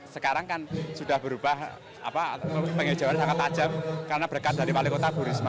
sekarang kan sudah berubah pengejauhan sangat tajam karena berkat dari wali kota bu risma